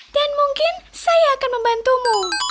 mungkin saya akan membantumu